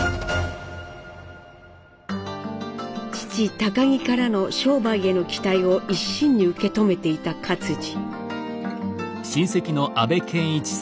父儀からの商売への期待を一身に受け止めていた克爾。